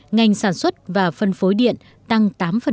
ngành sản xuất và phân phối điện tăng tám